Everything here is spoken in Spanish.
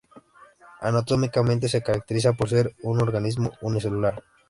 Anatómicamente se caracteriza, por ser un organismo unicelular.